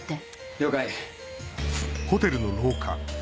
了解。